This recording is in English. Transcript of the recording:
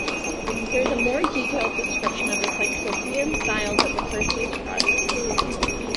There is a more detailed description of the Cyclopean styles at the Perseus Project.